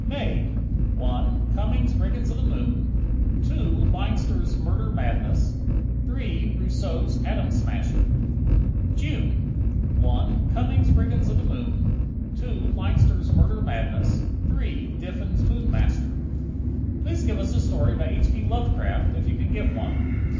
May: 1 Cummings' "Brigands of the Moon"; 2 Leinster's "Murder Madness"; 3 Rousseau's "Atom Smasher." June: 1 Cummings' "Brigands of the Moon"; 2 Leinster's "Murder Madness"; 3 Diffin's "Moon Master." Please give us a story by H. P. Lovecraft, if you can get one.